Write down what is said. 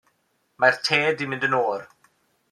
Mae'r te 'di mynd yn oer.